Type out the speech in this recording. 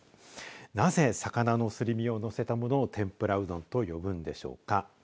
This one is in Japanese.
なぜ魚のすり身をのせたものを天ぷらうどんと呼ぶんでしょうか。